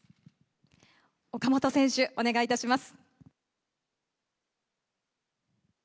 岡本選手、お願いいたします。